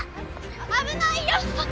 危ないよ！